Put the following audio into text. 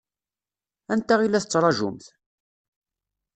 Anta i la tettṛaǧumt?